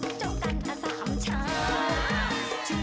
จึงจึงปลิตติจึงจึงจึงปลิตติจึง